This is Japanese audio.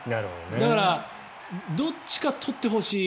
だから、どっちか取ってほしい。